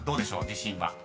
自信は］